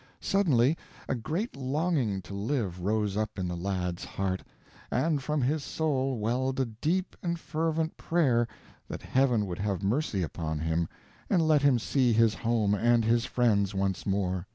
Suddenly a great longing to live rose up in the lad's heart, and from his soul welled a deep and fervent prayer that Heaven would have mercy upon him and let him see his home and his friends once more.